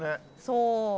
そう。